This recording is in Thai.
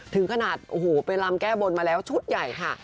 ถึงขนาดโอ้โหไปลำแก้บนมาแล้วชุดใหญ่ค่ะ